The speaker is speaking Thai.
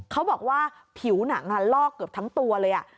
เขาบอกว่าผิวหนังลอกเกือบทั้งตัวเลย